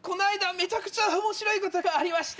めちゃくちゃおもしろいことがありまして。